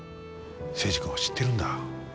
征二君を知ってるんだ。